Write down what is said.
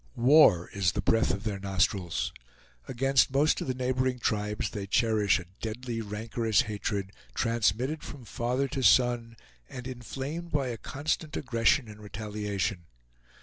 War is the breath of their nostrils. Against most of the neighboring tribes they cherish a deadly, rancorous hatred, transmitted from father to son, and inflamed by constant aggression and retaliation.